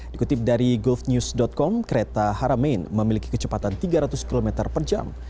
dikutip dari golfnews com kereta haramain memiliki kecepatan tiga ratus km per jam